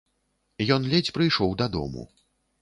Ён ледзь прыйшоў дадому.